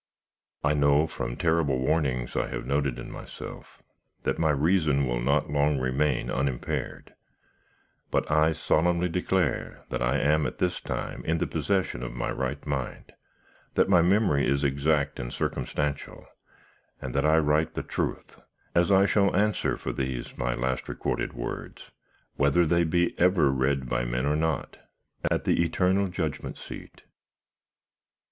I know from terrible warnings I have noted in myself that my reason will not long remain unimpaired, but I solemnly declare that I am at this time in the possession of my right mind that my memory is exact and circumstantial and that I write the truth as I shall answer for these my last recorded words, whether they be ever read by men or not, at the Eternal Judgment seat.